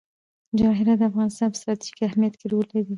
جواهرات د افغانستان په ستراتیژیک اهمیت کې رول لري.